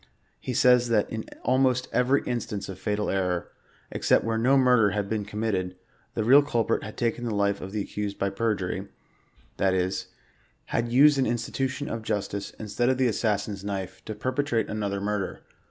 He says that " in almost every instance" of fatal error, " except where no murdei: had been committed, the real culprit had taken the life of the accused by perjury ;" that is, « had used an institution of justice, instead of the iassflBsin's knife, to perpetrate another" murder.